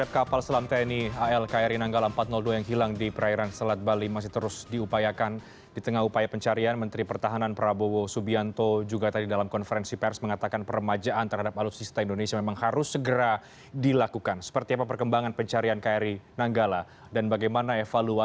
kepala kepala kepala